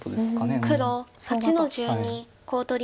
黒８の十二コウ取り。